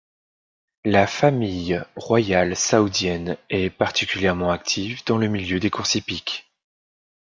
La famille royale saoudienne est particulièrement active dans le milieu des courses hippiques.